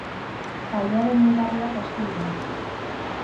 Taldearen mugarriak asko dira.